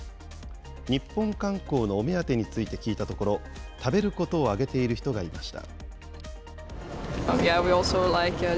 日本観光のお目当てについて聞いたところ、食べることを挙げている人がいました。